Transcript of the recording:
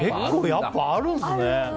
結構やっぱあるんですね。